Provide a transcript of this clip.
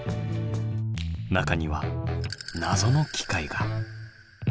中には謎の機械が。